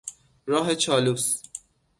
راه چالوس